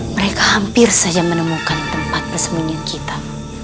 mereka hampir saja menemukan tempat persembunyian kita